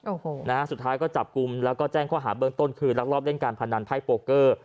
โอ้โหนะฮะสุดท้ายก็จับกลุ่มแล้วก็แจ้งข้อหาเบื้องต้นคือรักรอบเล่นการพนันไพ่โปรเกอร์